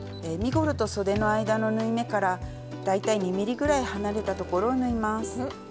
身ごろとそでの間の縫い目から大体２ｍｍぐらい離れたところを縫います。